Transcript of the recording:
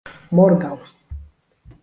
morgaŭ